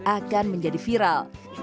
akan menjadi viral